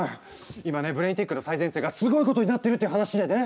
今ねブレインテックの最前線がすごいことになってるっていう話でね。